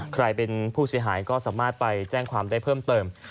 ใครเป็นผู้เสียหายก็สามารถไปแจ้งความได้เพิ่มเติม